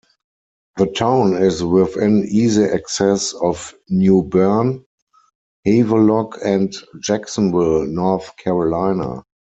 The town is within easy access of New Bern, Havelock and Jacksonville, North Carolina.